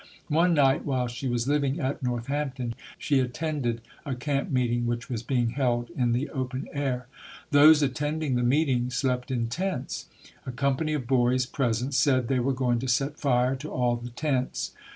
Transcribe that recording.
One night, while she was living at Northamp ton, she attended a camp meeting which was being held in the open air. Those attending the meeting slept in tents. A company of boys present said they were going to set fire to all the tents.